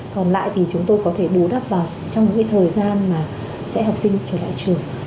còn lại thì chúng tôi có thể bù đắp vào trong một cái thời gian mà sẽ học sinh trở lại trường